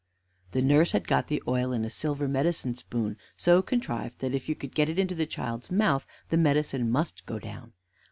The nurse had got the oil in a silver medicine spoon, so contrived that, if you could get it into the child's mouth, the medicine must go down.